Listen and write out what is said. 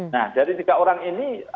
nah dari tiga orang ini